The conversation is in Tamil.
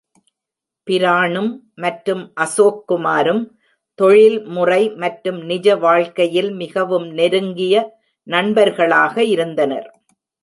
பிராணும் மற்றும் அசோக் குமாரும் தொழில்முறை மற்றும் நிஜ வாழ்க்கையில் மிகவும் நெருங்கிய நண்பர்களாக இருந்தனர்.